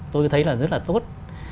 tôi thấy là rất là tốt